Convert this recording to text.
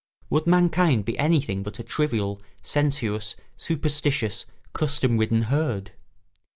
Would mankind be anything but a trivial, sensuous, superstitious, custom ridden herd?